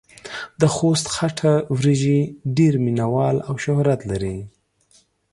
دخوست خټه وريژې ډېر مينه وال او شهرت لري.